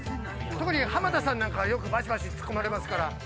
特に浜田さんなんかバシバシツッコまれますから。